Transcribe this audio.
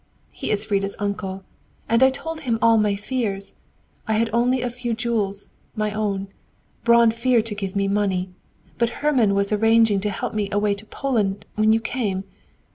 He is Frida's uncle. And I told him all my fears. I had only a few jewels, my own. Braun feared to give me money. But Hermann was arranging to help me away to Poland, when you came.